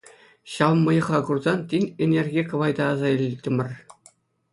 Ҫав мӑйӑха курсан тин ӗнерхи кӑвайта аса илтӗмӗр.